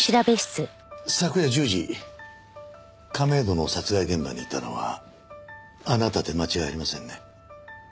昨夜１０時亀戸の殺害現場にいたのはあなたで間違いありませんね？